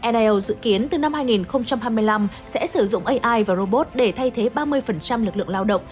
nio dự kiến từ năm hai nghìn hai mươi năm sẽ sử dụng ai và robot để thay thế ba mươi lực lượng lao động